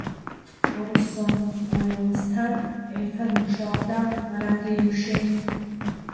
ორსონ უელსთან ერთად მუშაობდა რადიოში.